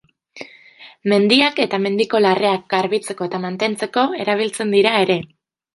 Mendiak eta mendiko larreak garbitzeko eta mantentzeko erabiltzen dira ere.